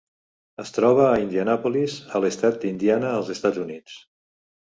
Es troba a Indianapolis, a l'estat d'Indiana, als Estats Units.